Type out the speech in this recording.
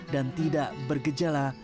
dan tidak bergejala